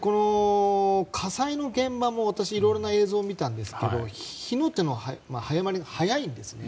火災の現場も私いろいろな映像を見たんですが火の手の早まりが早いんですよね。